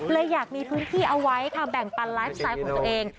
อยากมีพื้นที่เอาไว้ค่ะแบ่งปันไลฟ์สไตล์ของตัวเอง